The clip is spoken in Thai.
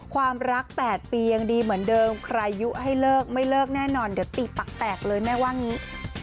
ความรัก๘ปียังดีเหมือนเดิมใครยุให้เลิกไม่เลิกแน่นอนเดี๋ยวตีปักแตกเลยแม่ว่างี้